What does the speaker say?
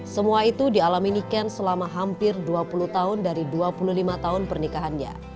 semua itu dialami niken selama hampir dua puluh tahun dari dua puluh lima tahun pernikahannya